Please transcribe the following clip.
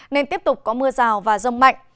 nên tiếp tục có mưa rào và rông mạnh